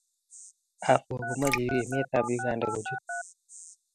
Afco ko mache emet ab Uganda kochut